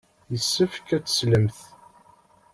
Yessefk ad teslemt.